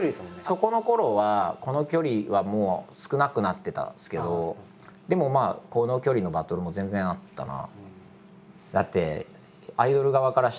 そこのころはこの距離はもう少なくなってたんですけどでもこの距離のバトルも全然あったなあ。